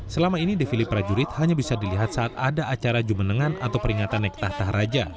selama ini defili prajurit hanya bisa dilihat saat ada acara jumenengan atau peringatan naik tahta raja